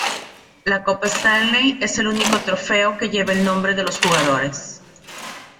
La copa Stanley es el único trofeo que lleva el nombre de los jugadores.